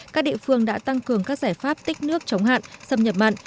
các địa phương đã tăng cường các giải pháp tích nước chống hạn xâm nhập mặn